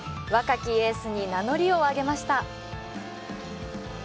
若きエースに名乗りを上げました